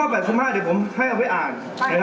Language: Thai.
เดี๋ยวผมให้เอาไว้อ่าน